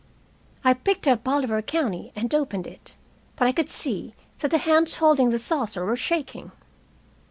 I picked up "Bolivar County" and opened it, but I could see that the hands holding the saucer were shaking.